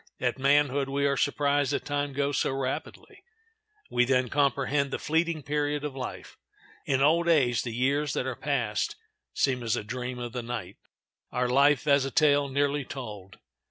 At manhood we are surprised that time goes so rapidly; we then comprehend the fleeting period of life. In old age the years that are passed seem as a dream of the night, our life as a tale nearly told.